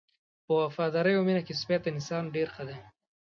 په وفادارۍ او مینه کې سپی تر انسان نه ډېر ښه دی.